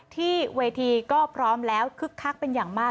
ที่เวทีก็พร้อมแล้วคึกคักเป็นอย่างมาก